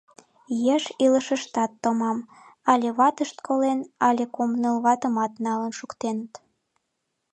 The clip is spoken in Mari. Еш илышыштат томам: але ватышт колен, але кум-ныл ватымат налын шуктеныт.